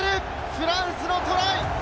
フランスのトライ！